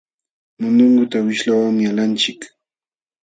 Mundunguta wishlawanmi qalanchik.